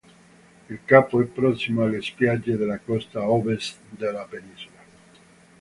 Il capo è prossimo alle spiagge della costa ovest della penisola.